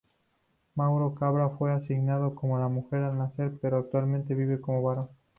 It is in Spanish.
Mauro Cabral fue asignado como mujer al nacer, pero actualmente vive como varón.